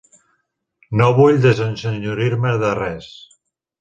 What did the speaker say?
No vull desensenyorir-me de res.